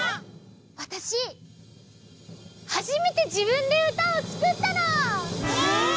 わたしはじめてじぶんでうたをつくったの！え！？